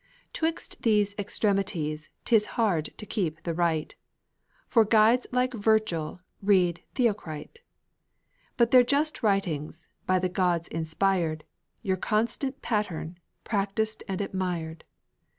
'Twixt these extremes 'tis hard to keep the right: For guides take Virgil and read Theocrite; Be their just writings, by the gods inspired, Your constant pattern, practiced and admired.